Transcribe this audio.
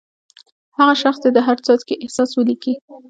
هغه شخص دې د هر څاڅکي احساس ولیکي.